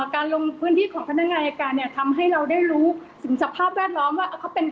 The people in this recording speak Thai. การลงพื้นที่ของพนักงานอายการเนี่ยทำให้เราได้รู้ถึงสภาพแวดล้อมว่าเขาเป็น